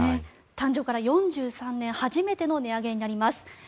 誕生から４３年初めての値上げになります。